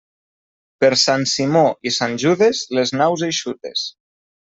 Per Sant Simó i Sant Judes, les naus eixutes.